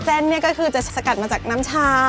เส้นเนี่ยก็คือจะสกัดมาจากน้ำชา